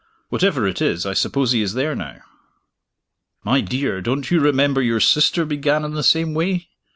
Whatever it is, I suppose he is there now." "My dear, don't you remember your sister began in the same way?